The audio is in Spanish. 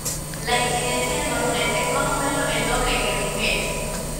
La incidencia en varones es más o menos el doble que en mujeres.